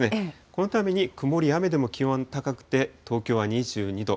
このために曇りや雨でも気温は高くて、東京は２２度。